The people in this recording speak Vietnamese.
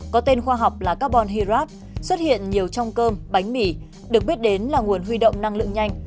cũng bởi lý do tinh bột xuất hiện nhiều trong cơm bánh mì được biết đến là nguồn huy động năng lượng nhanh